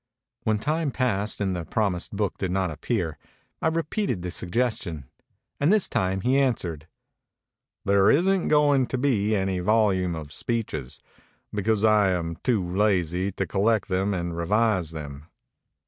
When time passed and the promised book did not ap pear, I repeated the suggestion; and this time he answered, " There isn't going to be any vol ume of speeches, because I am too lazy to col lect them and revise them."